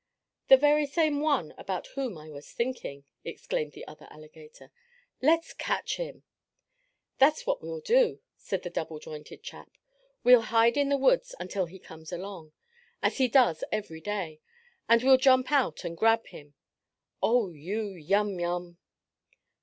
"The very same one about whom I was thinking!" exclaimed the other alligator. "Let's catch him!" "That's what we'll do!" said the double jointed chap. "We'll hide in the woods until he comes along, as he does every day, and the we'll jump out and grab him. Oh, you yum yum!"